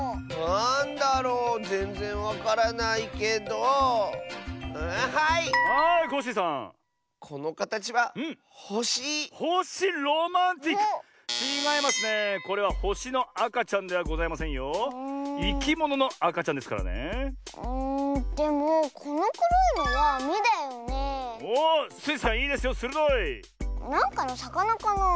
なんかのさかなかなあ。